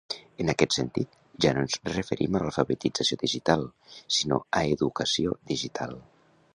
En aquest sentit, ja no ens referim a alfabetització digital sinó a educació digital.